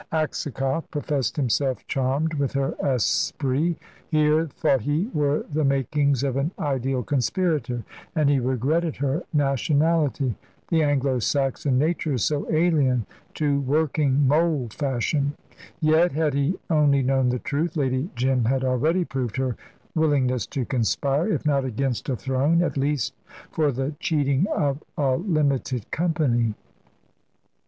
Aksakoff professed himself charmed with her esprit. Here, thought he, were the makings of an ideal conspirator, and he regretted her nationality. The Anglo Saxon nature is so alien to working mole fashion. Yet, had he only known the truth, Lady Jim had already proved her willingness to conspire, if not against a throne, at least for the cheating of a limited company.